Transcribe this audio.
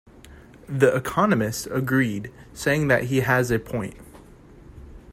"The Economist" agreed, saying that he "has a point".